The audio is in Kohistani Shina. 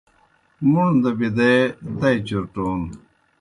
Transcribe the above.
مُوݨ دہ بِدَے دئی چُرٹون